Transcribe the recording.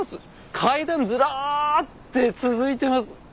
階段ずらって続いてます。